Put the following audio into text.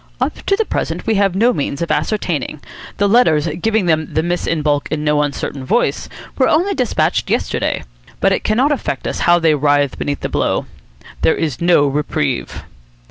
"Up to the present we have no means of ascertaining. The letters giving them the miss in baulk in no uncertain voice were only despatched yesterday. But it cannot affect us how they writhe beneath the blow. There is no reprieve."